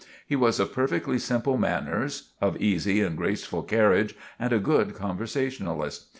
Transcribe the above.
He was of perfectly simple manners, of easy and graceful carriage and a good conversationalist.